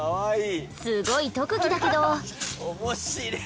すごい特技だけど。